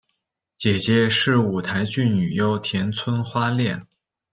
姐姐是舞台剧女优田村花恋。